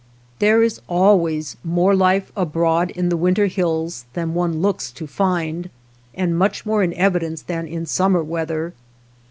There is always more life abroad in the winter hills than one looks to find, and much more in evidence than in summer weather.